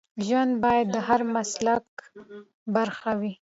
ژبه باید د هر مسلک برخه وي.